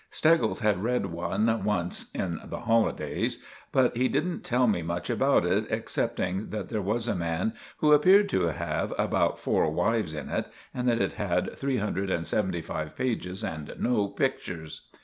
Steggles had read one once in the holidays, but he didn't tell me much about it, excepting that there was a man who appeared to have about four wives in it, and that it had three hundred and seventy five pages and no pictures.